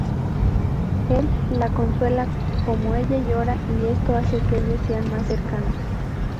Él la consuela como ella llora, y esto hace que ellos sean más cercanos.